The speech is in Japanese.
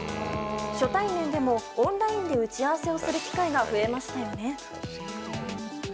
初対面でもオンラインで打ち合わせをする機会が増えましたよね。